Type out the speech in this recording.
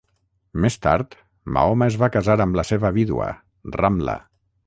Més tard, Mahoma es va casar amb la seva vídua, Ramla.